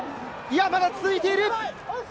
まだ続いている！